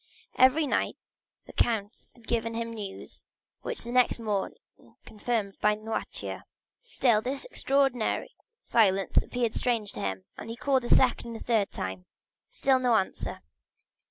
Every night the count had given him news, which was the next morning confirmed by Noirtier. Still this extraordinary silence appeared strange to him, and he called a second and third time; still no answer.